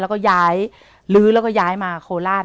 แล้วก็ย้ายลื้อแล้วก็ย้ายมาโคราช